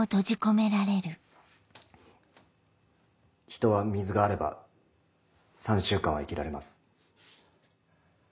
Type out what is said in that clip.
人は水があれば３週間は生きられます。